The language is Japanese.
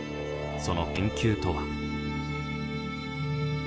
その研究とは。